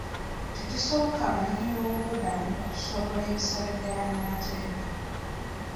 Tekisoboka abanoonyi b'obubudamu okusobola ebisale bya bannamateeka.